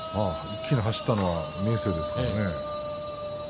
一気に走ったのは明生ですからね。